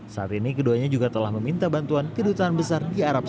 saat ini keduanya juga telah meminta bantuan kedutaan besar